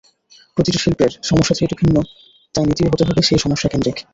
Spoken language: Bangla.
প্রতিটি শিল্পের সমস্যা যেহেতু ভিন্ন, তাই নীতিও হতে হবে সেই সমস্যাকেন্দ্রিক।